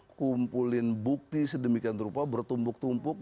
kumpulin bukti sedemikian rupa bertumpuk tumpuk